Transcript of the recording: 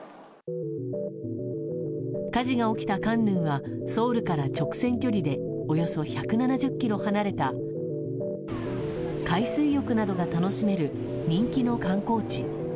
火事が起きたカンヌンはソウルから直線距離でおよそ１７０ｋｍ離れた海水浴などが楽しめる人気の観光地。